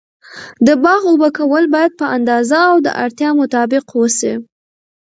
د باغ اوبه کول باید په اندازه او د اړتیا مطابق و سي.